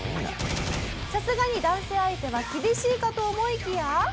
さすがに男性相手は厳しいかと思いきや。